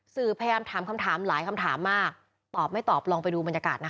สื่อพยายามถามคำถามหลายคำถามมากตอบไม่ตอบลองไปดูบรรยากาศนะคะ